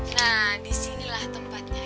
nah disinilah tempatnya